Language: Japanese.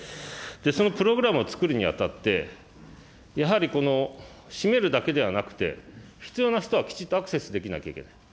そのプログラムをつくるにあたって、やはり、この閉めるだけではなくて、必要な人はきちっとアクセスできなきゃいけない。